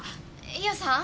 伊緒さん。